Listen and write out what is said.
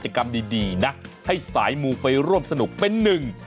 กรรมดีดีนะให้สายมูไปร่วมสนุกเป็นหนึ่ง